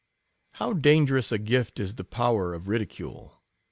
" How dangerous a gift is the power of ridi cule!